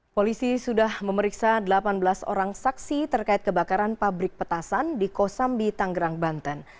polisi sudah memeriksa delapan belas orang saksi terkait kebakaran pabrik petasan di kosambi tanggerang banten